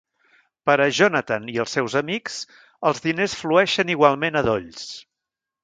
Per a Jonathan i els seus amics, els diners flueixen igualment a dolls.